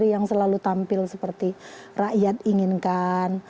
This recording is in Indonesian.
yang selalu tampil seperti rakyat inginkan